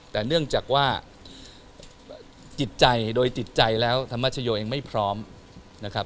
แต่เนื่องจากว่าจิตใจโดยจิตใจแล้วธรรมชโยเองไม่พร้อมนะครับ